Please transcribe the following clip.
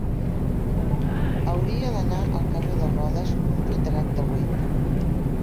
Hauria d'anar al carrer de Rodes número trenta-vuit.